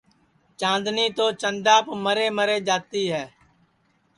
چاندنی تو چنداپ مرے مرے جاوتی ہے